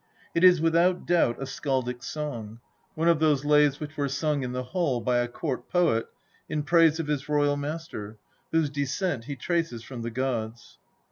It is without doubt a skaldic song, one of those lays which were sung in the hall by a court poet in praise of his royal master, whose descent he traces from the gods.